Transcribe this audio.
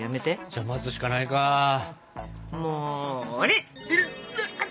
じゃあ待つしかないか。も。